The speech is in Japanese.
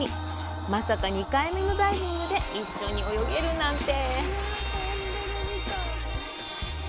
まさか２回目のダイビングで一緒に泳げるなんて。